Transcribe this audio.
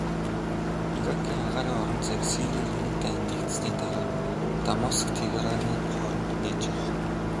Иракийн агаарын орон зайг Сирийн иргэний дайн дэгдсэний дараа Дамаск-Тегераны хооронд нээжээ.